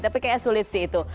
tapi kayaknya sulit sih itu